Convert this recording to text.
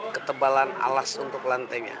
ketebalan alas untuk lantainya